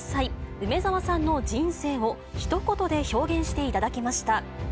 梅沢さんの人生をひと言で表現していただきました。